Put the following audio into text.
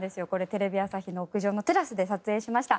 テレビ朝日の屋上のテラスで撮影しました。